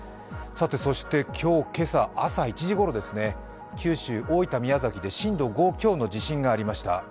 そして、今朝朝１時ごろですね、九州、大分・宮崎で震度５強の地震がありました。